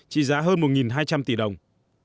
trị giá hơn một hai trăm linh tỷ đồng